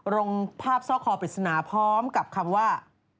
ลงภาพซ่อคอปริศนาพร้อมกับคำว่า